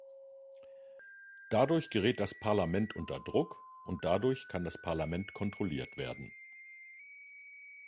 Dadurch gerät das Parlament unter Druck und dadurch kann das Parlament kontrolliert werden.